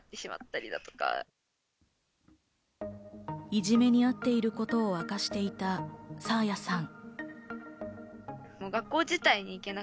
いじめにあっていることを明かしていた爽彩さん。